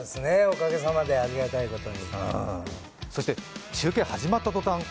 おかげさまでありがたいことに。